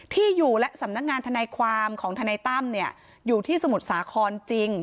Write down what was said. ที่อยู่และสำนักงานทนายความของทนายตั้มเนี่ยอยู่ที่สมุทรสาครจริง